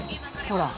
ほら。